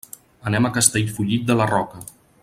Anem a Castellfollit de la Roca.